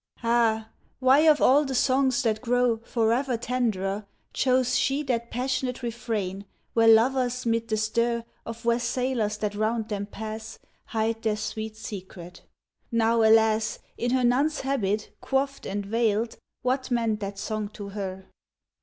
Ah, why, of all the songs that grow Forever tenderer, Chose she that passionate refrain Where lovers 'mid the stir Of wassailers that round them pass Hide their sweet secret? Now, alas, In her nun's habit, coifed and veiled, What meant that song to her!